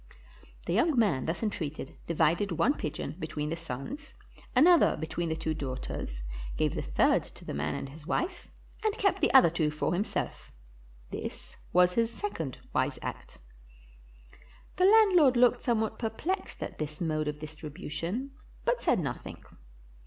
The young man, thus entreated, divided one pigeon between the sons, another between the two daughters, gave the third to the man and his wife, and kept the other two for himself. This was his second wise act. The landlord looked somewhat perplexed at this mode of distribution, but said nothing.